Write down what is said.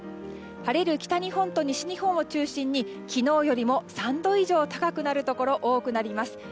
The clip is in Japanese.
晴れる北日本と西日本を中心に昨日よりも３度以上高くなるところが多くなります。